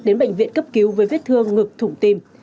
đến bệnh viện cấp cứu với vết thương ngực thủng tim